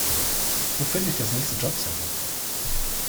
Wo finde ich das nächste Jobcenter?